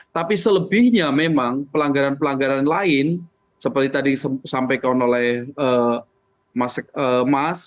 tapi selebihnya memang pelanggaran pelanggaran lain seperti tadi disampaikan oleh mas